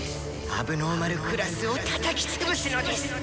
問題児クラスをたたき潰すのです！」。